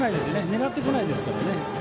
狙ってこないですから。